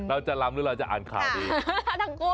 เราจะรำหรือจะอ่านข่าวดิ